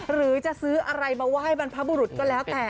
หรือจะซื้ออะไรมาไหว้บรรพบุรุษก็แล้วแต่